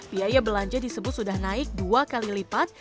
biaya belanja disebut sudah naik dua kali lipat